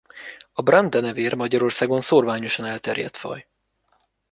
A Brandt-denevér Magyarországon szórványosan elterjedt faj.